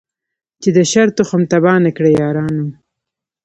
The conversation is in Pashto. چي د شر تخم تباه نه کړی یارانو